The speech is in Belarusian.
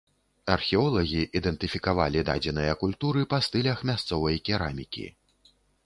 Археолагі ідэнтыфікавалі дадзеныя культуры па стылях мясцовай керамікі.